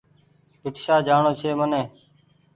ڀيٽ شاه جآڻو ڇي مني ۔